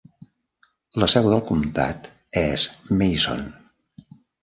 La seu del comtat és Mason.